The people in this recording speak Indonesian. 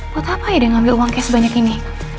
buat apa ya dia ngambil uangnya sebanyak ini